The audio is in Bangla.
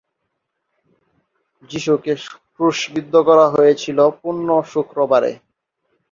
যিশুকে ক্রুশবিদ্ধ করা হয়েছিল পুণ্য শুক্রবারে।